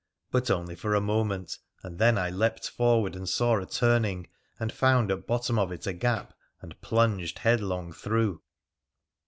But only for a moment, and then I leaped forward and saw a turning, and found at bottom of it a gap, and plunged headlong through